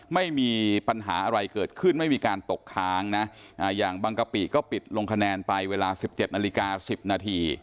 ไม่มีปัญหาอะไรเกิดขึ้นไม่มีการตกค้างนะอย่างบางกะปิก็ปิดลงคะแนนไปเวลา๑๗นาฬิกา๑๐นาที